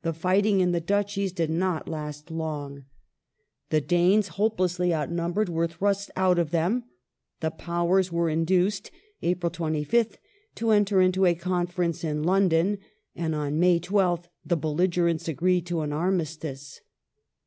The fighting in the Duchies did not last long. The Danes, hopelessly outnum bered, were thrust out of them ; the Powers were induced (April 25th) to enter into a conference in London, and on May 12th the belligerents agreed to an armistice.